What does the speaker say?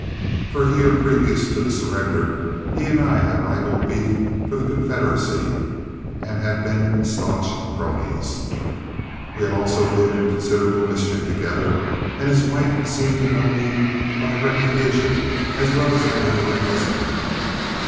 For a year previous to the surrender he and I had wrangled beef for the Confederacy and had been stanch cronies. We had also been in considerable mischief together; and his wife seemed to know me by reputation as well as I knew her husband.